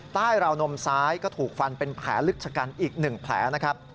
ราวนมซ้ายก็ถูกฟันเป็นแผลลึกชะกันอีก๑แผลนะครับ